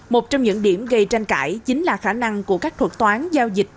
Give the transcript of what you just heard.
một trong những điểm gây tranh cãi chính là khả năng của các thuật toán giao dịch